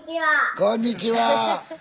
こんにちは。